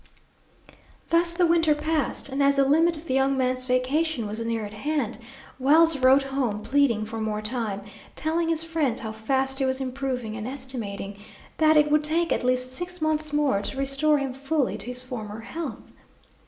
Thus the winter passed, and as the limit of the young man's vacation was near at hand, Wells wrote home pleading for more time, telling his friends how fast he was improving, and estimating that it would take at least six months more to restore him fully to his former health.